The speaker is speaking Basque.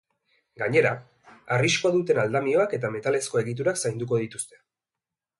Gainera, arriskua duten aldamioak eta metalezko egiturak zainduko dituzte.